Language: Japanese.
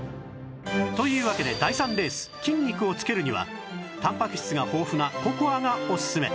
というわけで第３レース筋肉をつけるにはたんぱく質が豊富なココアがおすすめ